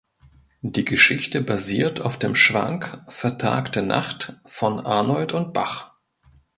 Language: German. Die Geschichte basiert auf dem Schwank „Vertagte Nacht“ von Arnold und Bach.